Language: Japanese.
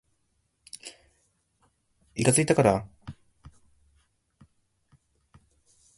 痛かつたから勘太郎を垣根へ押しつけて置いて、足搦あしがらをかけて向へ斃してやつた。